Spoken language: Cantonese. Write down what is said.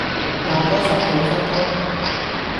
鬧左十幾分鐘